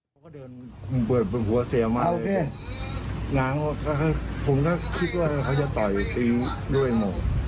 ซุ่มไปเมื่อแหละจนลูกค้าอีกคนนี้เขาก็มาห้าม